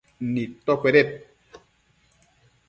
nidtocueded